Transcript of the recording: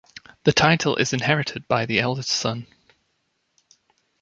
The title is inherited by the eldest son.